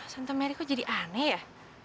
tante merry kok jadi aneh ya